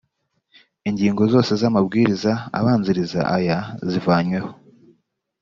ingingo zose z’ amabwiriza abanziriza aya zivanyweho